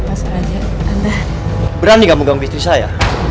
mas raja anda berani gak mau ganggu istri saya